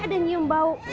tadi ada nyium bau